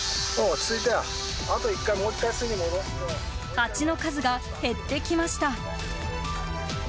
ハチの数が減ってきました。